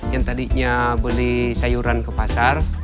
yang tadinya beli sayuran ke pasar